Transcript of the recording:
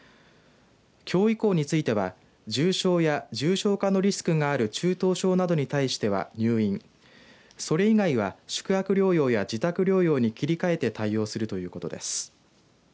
きょう以降については重症や重症化のリスクがある中等症などに対しては入院それ以外は宿泊療養や自宅療養に切り替えて対応するということです。